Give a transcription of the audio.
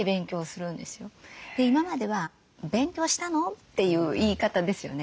今までは「勉強したの？」っていう言い方ですよね。